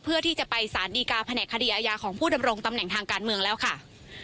เพื่อที่จะไปสารดีการแผนกคดีอาญาของผู้ดำรงตำแหน่งทางการเมืองแล้วค่ะ